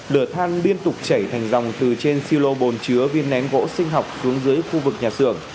lửa than liên tục chảy thành dòng từ trên silo bồn chứa viên nén gỗ sinh học xuống dưới khu vực nhà xưởng